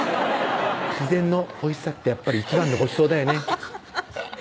「自然のおいしさってやっぱり一番のごちそうだよね」